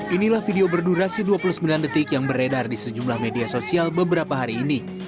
inilah video berdurasi dua puluh sembilan detik yang beredar di sejumlah media sosial beberapa hari ini